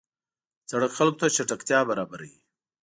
سړک خلکو ته چټکتیا برابروي.